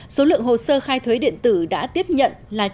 số lượng hồ sơ khai thuế điện tử đã tiếp nhận là trên bốn mươi tám doanh nghiệp